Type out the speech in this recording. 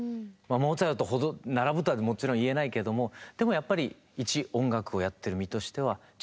モーツァルトほど並ぶとはもちろん言えないけどもでもやっぱり一「音楽をやってる身」としては誰でも。